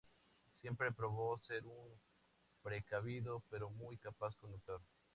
Siempre probó ser un precavido pero muy capaz conductor.